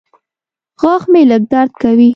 غاښ مې لږ درد کوي.